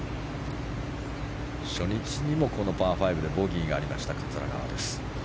初日にも、このパー５でボギーがありました、桂川です。